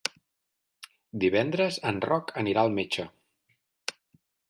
Divendres en Roc anirà al metge.